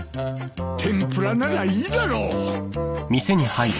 天ぷらならいいだろう！